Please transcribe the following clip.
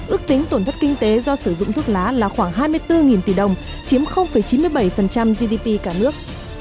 ước tính tổn thất kinh tế do sử dụng thuốc lá là khoảng hai mươi bốn tỷ đồng chiếm chín mươi bảy gdp cả nước